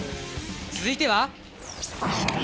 続いては。